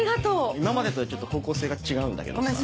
今までとはちょっと方向性が違うんだけどさ。